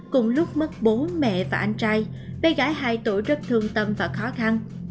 cùng lúc mất bố mẹ và anh trai bé gái hai tuổi rất thương tâm và khó khăn